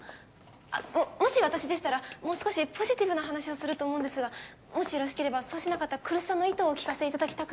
あっももし私でしたらもう少しポジティブな話をすると思うんですがもしよろしければそうしなかった来栖さんの意図をお聞かせいただきたく。